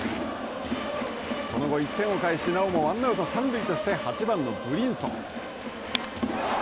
その後、１点を返しなおもワンアウト、三塁として８番のブリンソン。